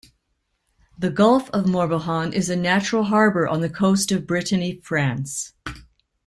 The Gulf of Morbihan is a natural harbour on the coast of Brittany, France.